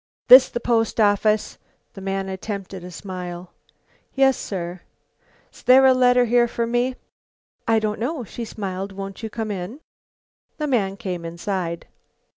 "This the post office?" The man attempted a smile. "Yes, sir." "'S there a letter here for me?" "I don't know," she smiled. "Won't you come in?" The man came inside.